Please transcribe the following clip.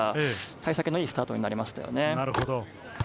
幸先の良いスタートになりましたよね。